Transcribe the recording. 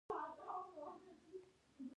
کله چې د ادارې کار له شپږو میاشتو زیات ودریږي.